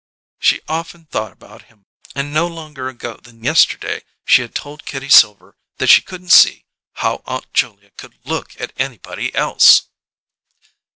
She often thought about him, and no longer ago than yesterday she had told Kitty Silver that she couldn't see "how Aunt Julia could look at anybody else!"